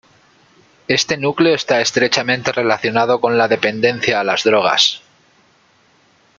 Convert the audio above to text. Este núcleo está estrechamente relacionado con la dependencia a las drogas.